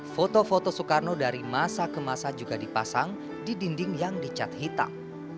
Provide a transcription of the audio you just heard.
foto foto soekarno dari masa ke masa juga dipasang di dinding yang dicat hitam